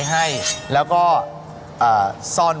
อย่างโตน